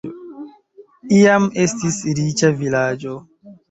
Iam estis riĉa vilaĝo.